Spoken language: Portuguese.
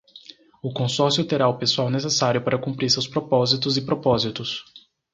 O consórcio terá o pessoal necessário para cumprir seus propósitos e propósitos.